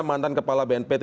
mantan kepala bnpt